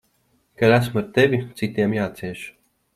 Kad esmu ar tevi, citiem jācieš.